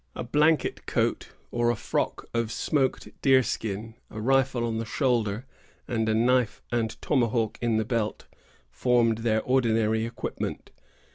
A blanket coat, or a frock of smoked deer skin, a rifle on the shoulder, and a knife and tomahawk in the belt, formed their ordinary equipment.